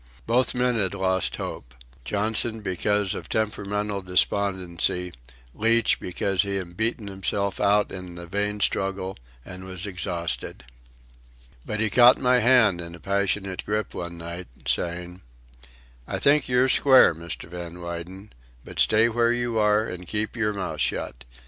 Both men had lost hope—Johnson, because of temperamental despondency; Leach, because he had beaten himself out in the vain struggle and was exhausted. But he caught my hand in a passionate grip one night, saying: "I think yer square, Mr. Van Weyden. But stay where you are and keep yer mouth shut.